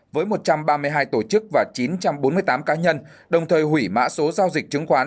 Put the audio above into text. với một trăm ba mươi hai tổ chức và chín trăm bốn mươi tám cá nhân đồng thời hủy mã số giao dịch chứng khoán